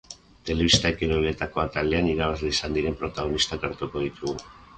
Telebista eta kiroletako atalean irabazle izan diren protagonistak hartuko ditugu.